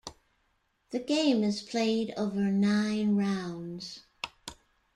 This game is played over nine rounds.